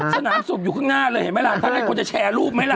สนามสุขอยู่ข้างหน้าเลยเห็นไหมล่ะถ้างั้นคนจะแชร์รูปไหมล่ะ